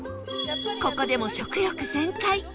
ここでも食欲全開